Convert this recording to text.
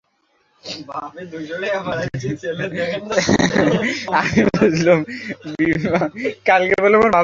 আমি বুঝলুম, বিমলা মনে মনে ঠিক করে নিয়েছে ওর গয়না বেচে দেবে।